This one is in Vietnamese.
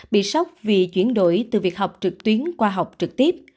bị sốc vì chuyển đổi từ việc học trực tuyến qua học trực tiếp